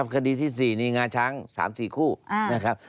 คดีที่๔นี่งาช้าง๓๔คู่นะครับ